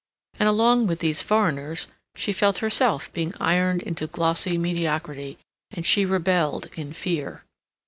And along with these foreigners, she felt herself being ironed into glossy mediocrity, and she rebelled, in fear.